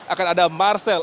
akan ada marcel